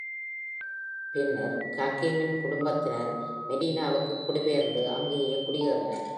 பின்னர் Hakimன் குடும்பத்தினர் Medinaவுக்கு குடிபெயர்ந்து அங்கேயே குடியேறினர்.